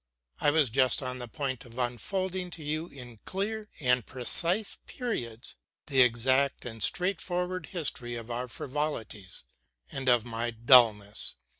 I was just on the point of unfolding to you in clear and precise periods the exact and straightforward history of our frivolities and of my dulness.